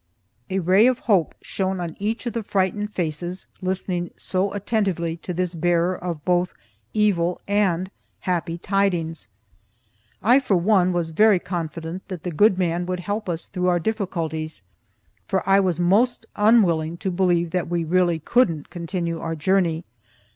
A ray of hope shone on each of the frightened faces listening so attentively to this bearer of both evil and happy tidings. I, for one, was very confident that the good man would help us through our difficulties, for I was most unwilling to believe that we really couldn't continue our journey.